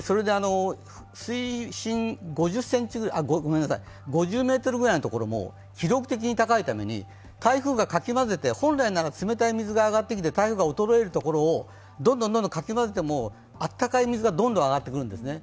水深５０ｍくらいのところも記録的に高いために台風がかき混ぜて、本来なら冷たい水が上がってきて台風が衰えるところをどんどんかき混ぜても温かい水がどんどん上がってくるんですね。